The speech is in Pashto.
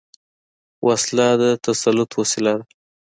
وسله د تسلط وسيله ده